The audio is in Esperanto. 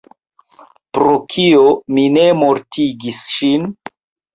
Pro kio mi ne mortigis ŝin?